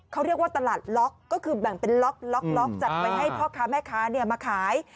เขาเรียกว่าตลาดล็อกก็คือแบ่งเป็นล็อกล็อกจัดไว้ให้พ่อค้าแม่ค้ามาขาย